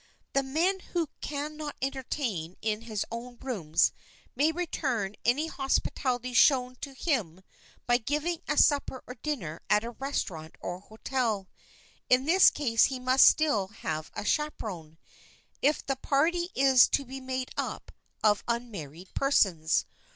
[Sidenote: THE RESTAURANT SUPPER] The man who can not entertain in his own rooms may return any hospitality shown to him by giving a supper or dinner at a restaurant or hotel. In this case he must still have a chaperon,—if the party is to be made up of unmarried persons.